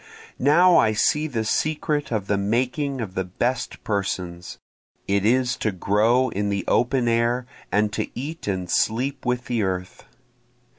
Now I see the secret of the making of the best persons, It is to grow in the open air and to eat and sleep with the earth.